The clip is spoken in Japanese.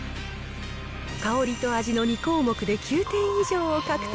香りと味の２項目で９点以上を獲得。